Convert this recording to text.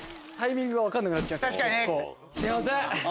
すいません！